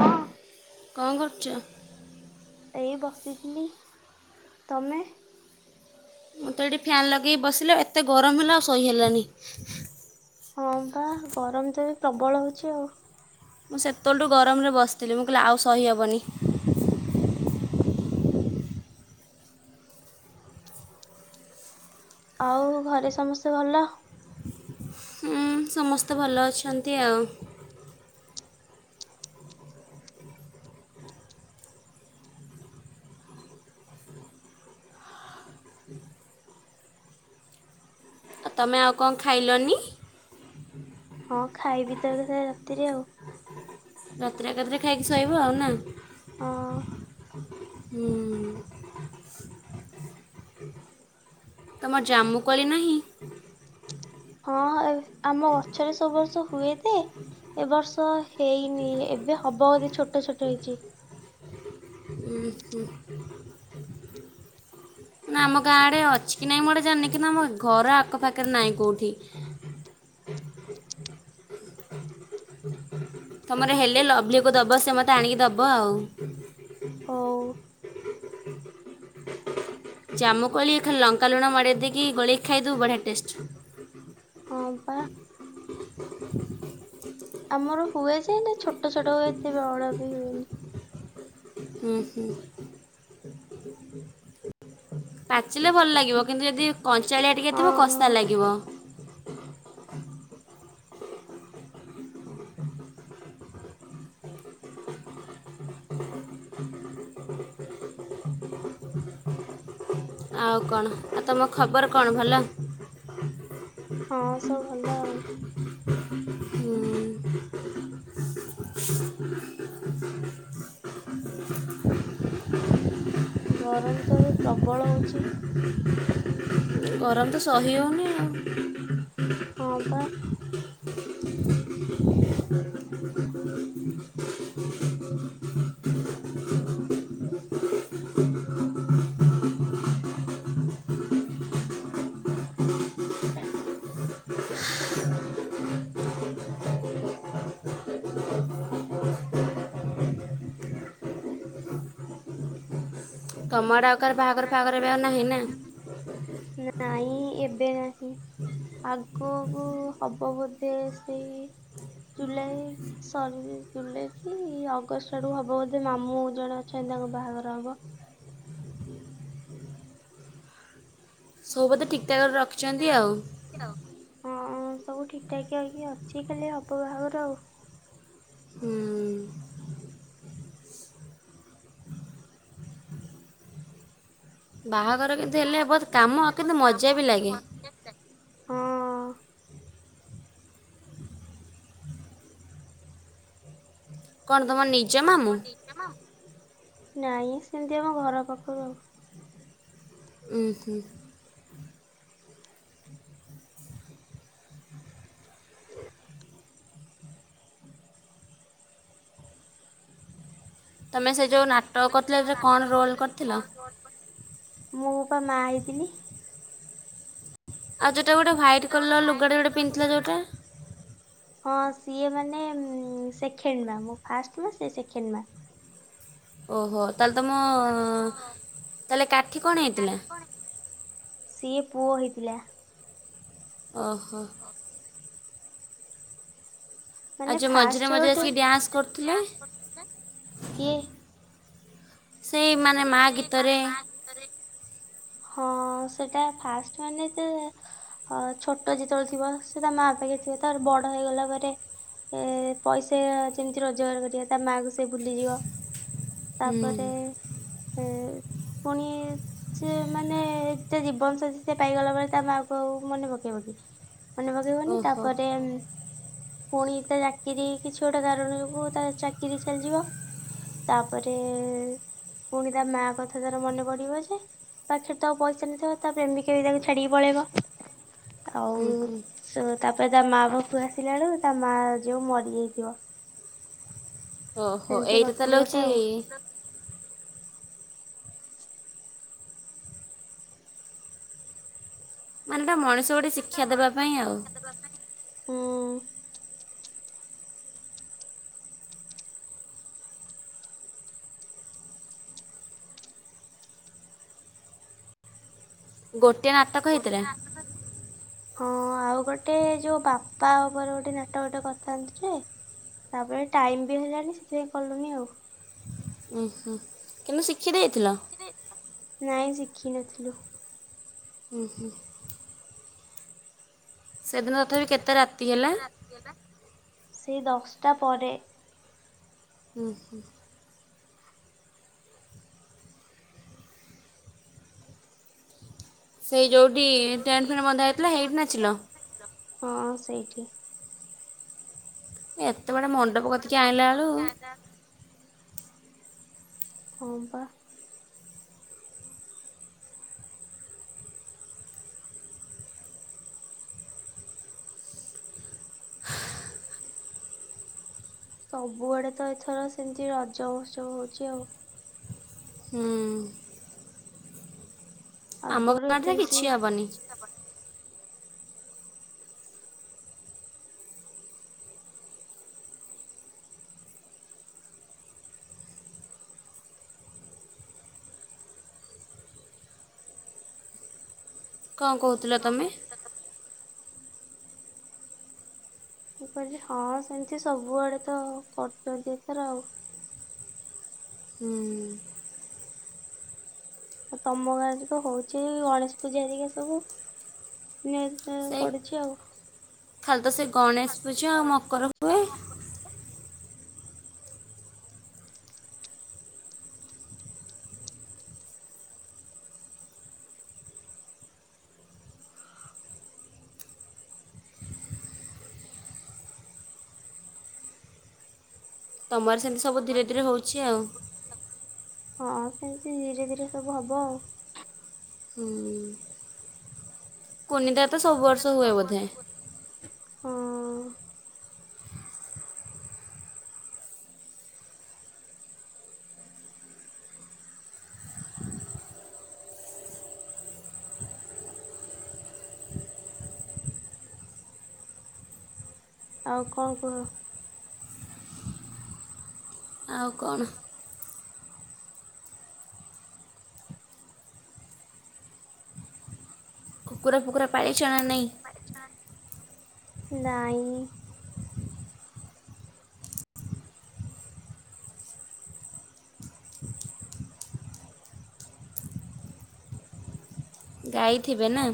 ହଁ କଁ କରୁଛ। ଏଇ ବସିଥିଲି ତମେ। ମୁଁ ତ ଏଠି ଫ୍ୟାନ୍ ଲଗେଇ ବସିଲେ ଏତେ ଗରମ ହେଲା ଆଉ ଶହି ହେଲାନି। ହଁ ବା ଗରମ ତ ବି ପ୍ରବଳ ହଉଛି ଆଉ। ମୁଁ ସେତେବେଳ ଠୁ ଗରମ ରେ ବସିଥିଲି ମୁଁ କହିଲି ଆଉ ସହିହବନି। ଆଉ ଘରେ ସମସ୍ତେ ଭଲ। ହୁଁ ସମସ୍ତେ ଭଲ ଅଛନ୍ତି ଆଉ। ଆଉ ତମେ ଆଉ କଁ ଖାଇଲନି। ହଁ ଖାଇବି ତ ଏକାଥରେ ରାତିରେ ଆଉ। ରାତିରେ ଏକାଥରେ ଖାଇକି ଶୋଇବ ଆଉ ନା। ହଁ। ହୁଁ। ତମର ଜାମ୍ମୁ କୋଳି ନାହିଁ। ହଁ ଏ ଆମ ଗଛରେ ସବୁ ବର୍ଷ ହୁଏ ତେ ଏ ବର୍ଷ ହେଇନି ଏବେ ହବ ଯଦି ଛୋଟ ଛୋଟ ହେଇଛି। ଉଁ ହଁ। ନା ଆମ ଗାଁ ଆଡେ ଅଛି କି ନାଇଁ ମୁଁ ଏଇଟା ଜାଣିନି କିନ୍ତୁ ଆମ ଘର ଆଖ ପାଖରେ ନାହିଁ କୋଉଠି। ତମର ହେଲେ ଲଭଲି କୁ ଦବ ସେ ମତେ ଆଣିକି ଦବ ଆଉ। ହଉ। ଜାମୁ କୋଳି ଖାଲି ଲଙ୍କା ଲୁଣ ମଡ଼େଇ ଦେଇକି ଗୋଳେଇି ଖାଇଦବୁ ବଢିଆ ଟେଷ୍ଟ। ହଁ ବା। ଆମର ହୁଏ ଯେ ହେଲେ ଛୋଟ ଛୋଟ ହୁଏ ଏତେ ବଡ଼ ବି ହୁଏନି। ଉଁ ହୁଁ। ପାଚିଲେ ଭଲ ଲାଗିବ କିନ୍ତୁ ଯଦି କଞ୍ଚାଳିଆ ଟିକେ ଥିବ ହଁ କସା ହଁ ଲାଗିବ। ଆଉ କଣ ଆଉ ତମ ଖବର କଣ ଭଲ। ହଁ ସବୁ ଭଲ ଆଉ। ହୁଁ, ଗରମ ତ ଏବେ ପ୍ରବଳ ହଉଛି। ଗରମ ତ ସହି ହଉନି ଆଉ। ହଁ ବା। ତମ ଆଡେ ଆଉ କାହାର ବାହାଘର ଫାହାଘର ଏବେ ଆଉ ନାହିଁ ନା। ନାଇଁ ଏବେ ନାହିଁ। ଆଗକୁ ହବ ବଧେ ସେଇ ଜୁଲାଇ‌। ସରିଲେ ଜୁଲାଇ କି ଅଗଷ୍ଟ ଆଡୁକୁ ହବ ବୋଧେ ମାମୁଁ ଜଣେ ଅଛନ୍ତି ତାଙ୍କ ବାହାଘର ହବ। ସବୁ ବଧେ ଠିକଠାକ୍ କରି ରଖିଛନ୍ତି ଆଉ। ହଁ ସବୁ ଠିକ ଠାକିଆ ହେଇକି ଅଛି ଖାଲି ହବ ବାହା ଘର ଆଉ। ହୁଁ, ବାହା ଘର କିନ୍ତୁ ହେଲେ ବାହାଘର ବହୁତ କାମ କିନ୍ତୁ ମଜା ବି ଲାଗେ। ହଁ। କଣ ତମ ନି ନାଇଁ ସେମିତି ଆମ ଘର ପାଖରୁ ଆଉ। ଉୁଁ ହୁଁ। ତମେ ସେ ଯୋଉ ନାଟକ କରିଥିଲ ସେଥେରେ କଣ ରୋଲ୍ କରିଥିଲ। ମୁଁ ପା ମା ହେଇଥିଲି। ଆଉ ଯୋଉ ଟା ଗୋଟେ ହ୍ୱାଇଟ୍ କଲର ଲୁଗା ଟେ ଗୋଟେ ପିନ୍ଧଥିଲ ଯୋଉଟା। ହଁ ସିଏ ମାନେ ଉଁ ସେଖେଣ୍ଡ ମା ମୁଁ ଫାଷ୍ଟ ମା ସେ ସେକେଣ୍ଡ ମା। ଓହୋ ତାହେଲେ ତମ ତାହେଲେ କାଠି କଣ ହେଇଥିଲା? ସିଏ ପୁଅ ହେଇଥିଲା। ଓହୋ। [inaudible] ଆଉ ମାନେ ଯୋ ମଝିରେ ଫାଷ୍ଟ ମଝିରେ ଗୋଟେ ଆସିକି ଡ୍ୟାନ୍ସ କରୁଥିଲେ। କିଏ? ସେଇ ମାନେ ମା ସେଇ ଗୀତରେ ମାନେ ମା ହଁ ସେଟା ଫାଷ୍ଟ ମାନେ ତ ହଁ ଛୋଟ ଯେତେବେଳେ ଥିବ ସେ ତା ମାଆ ପାଖରେ ଥିବ ତାପରେ ବଡ ହେଇଗଲା ପରେ ଏ ପଇସା ଯେମିତି ରୋଜଗାର କରିବ ତା ମା କୁ ସେ ଭୁଲିଯିବ। ହୁଁ ତାପରେ ଏ ପୁଣି ସେ ମାନେ ତା ଜୀବନ ସାଥି ସେ ପାଇଗଲା ପରେ ତା ମା କୁ ଆଉ ମନେ ପକେଇବକି। ପକେଇବନି ଓହୋ ତାପରେ ପୁଣି ତା ଚାକିରି କିଛି ଗୋଟେ କାରଣ ଯୋଗୁ ତା ଚାକିରି ଚାଲିଯିବ ତାପରେ ପୁଣି ତା ମା କଥା ତାର ମନେ ପଡିବ ଯେ ପାଖରେ ତ ଆଉ ପଇସା ନଥିବ ତା ପ୍ରେମିକା ବି ତାକୁ ଛାଡିକି ପଳେଇବ ଆଉ ହୁଁ ହୁଁ ସ ତାପରେ ତା ମା ପାଖୁ ଆସିଲା ବଳୁ ତା ମା ଯୋଉ ମରିଯାଇଥିବ। ଓହୋ ସେମିତି ଏଇଟା କରିଥିଲି ତାହେଲେ ଗୋଟେ ହୋଉଛି ଆଉ ମାନେଟା ମଣିଷ ଗୋଟେ ଶିକ୍ଷା ଦେବା ପାଇଁ ଆଉ। ହୁଁ। ଗୋଟିଏ ନାଟକ ହେଇଥିଲା। ହଁ ଆଉ ଗୋଟେ ଯୋଉ ବାପା ଉପରେ ଗୋଟେ ନାଟକଟ କରିଥାନ୍ତୁ ଯେ ତାପରେ ଟାଇମ୍ ବି ହେଲାନି ସେଥିପାଇଁ କଲୁନି ଆଉ। ଉ ହୁ କିନ୍ତୁ ଶିଖି ଦେଇଥିଲ। ନାଇଁ ଶିଖିନଥିଲୁ। ଉଁ ହୁଁ ସେଦିନ ତଥାପି କେତେ ରାତି ହେଲା? ସେଇ ଦଶଟା ପରେ ଉଁ ହୁଁ ସେଇ ଯେଉଁଠି ଟେଣ୍ଟ ଫେଣ୍ଟ ବନ୍ଧା ହେଇଥିଲା ସେଇଥି ନାଚିଲ। ହଁ ସେଇଠି। ଏତେ ବାଟ ମଣ୍ଡପ କତିକି ଆଣିଲା ବେଳୁ ହ ପା ସବୁଆଡେ ତ ଏଥର ସେମତି ରଜ ମହୋତ୍ସବ ହଉଛି ଆଉ। ହୁଁ ଆମ ଆଗରୁ ଗାଁରେ ଏତେ କିଛି ବେଶୀ ହେବନି କଣ କହୁଥିଲ ତମେ? ମୁଁ କହିଲି ହଁ ସେମିତି ସବୁଆଡ଼େ ତ କରୁଛନ୍ତି ଏଥର ଆଉ। ହୁଁ ଆ ତମ ଗାଁ ରେ ତ ହଉଛି ଗଣେଶ ପୂଜା ହେରିକା ସବୁ। [unintelligible] ସେଇ ପଡୁଛି ଆଉ ଖାଲି ତ ସେ ଗଣେଶ ପୂଜା ଆଉ ମକର ହୁଏ [unintelligible] ତମର ସେମିତି ସବୁ ଧୀରେ ଧୀରେ ହଉଛି ଆଉ। ହଁ ସେମିତି ଧୀରେ ଧୀରେ ସବୁ ହବ ଆଉ। ହୁଁ [unintelligible] ରେ ତ ସବୁ ବର୍ଷ ହୁଏ ବୋଧେ। ହଁ ଆଉ କଣ କୁହ? ଆଉ କଣ। କୁକୁଡ଼ା ଫୁକୁଡା ପାଳିଚନା ନାହିଁ। ନାଇଁ। ଗାଈ ଥିବେ ନା?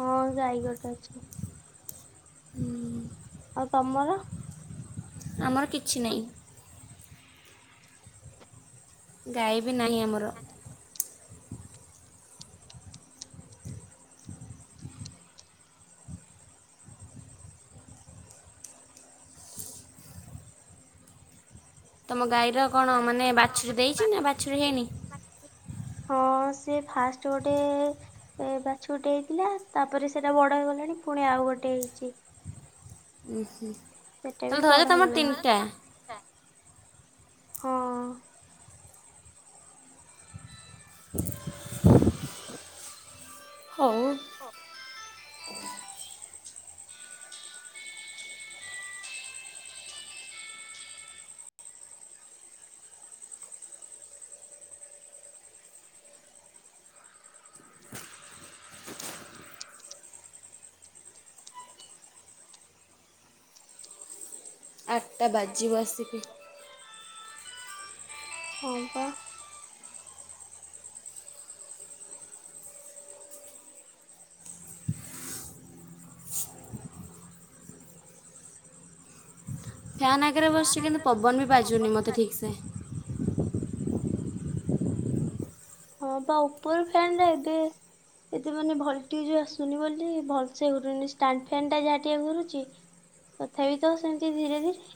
ହଁ ଗାଈ ଗୋଟେ ଅଛି। ଆଉ ତମର? ଆମର କିଛି ନାଇଁ। ଗାଈ ବି ନାହିଁ ଆମର। ତମ ଗାଈର କଣ ମାନେ ବାଛୁରୀ ଦେଇଚି ନା ବାଛୁରୀ ହେଇନି? ହଁ ସିଏ ଫାଷ୍ଟ ଗୋଟେ ଏ ବାଛୁରୀଟେ ହେଇଥିଲା ତା ପରେ ସେଇଟା ବଡ ହେଇଗଲାଣି ପୁଣି ଆଉ ଗୋଟେ ହେଇଚି। ଉଁ ହୁଁ। ସେ ବି ବଡ ହେଇଗଲାଣି। ହଁ ହଉ ହଁ। ଆଠଟା ବାଜିିବ ଆସିକି। ହଁ ପା। ଫ୍ୟାନ୍ ଆଗରେ ବସିଛି କିନ୍ତୁ ପବନ ବି ବାଜୁନି ମତେ ଠିକ ସେ। ହଁ ପା ଉପର ଫ୍ୟାନ୍ ଟା ଏବେ ଏତେ ମାନେ ଭୋଲ୍ଟେଜ ଆସୁନି ବୋଲି ଭଲସେ ଘୁରୁନି ଷ୍ଟାଣ୍ଡ ଫ୍ୟାନ୍ ଟା ଯାହା ଟିକେ ଘୁରୁଚି। ତଥାପି ତ ସେମିତି ଧୀରେ ଧୀରେ।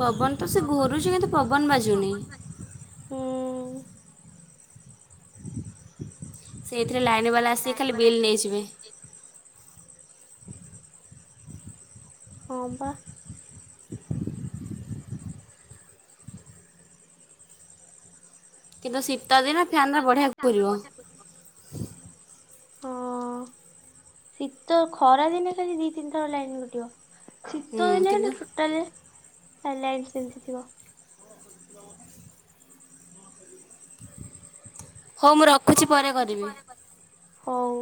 ପବନ ତ ସେ ଘୁରୁଚି କିନ୍ତୁ ପବନ ବାଜୁନେଇ। ଉଁ ସେଇଥିରେ ଲାଇନ ବାଲା ଆସିକି ଖାଲି ବିଲ୍ ନେଇଯିବେ। ହଁ ବା। କିନ୍ତୁ ଶୀତ ଦିନ ଫ୍ୟାନ୍ର ବଢ଼ିଆ ଘୁରିବ ହଁ। ଶୀତ ଖରା ଦିନେ ଖାଲି ଦି ତିନି ଥର ଲାଇନ୍ କଟିବ। ଶୀତ ହୁଁ ଦିନ କିନ୍ତୁ ହେଲେ ଟୋଟାଲେ ଆ ଲାଇନ୍ ସେମିତି ଥିବ। ହଉ ମୁଁ ର ହଉ।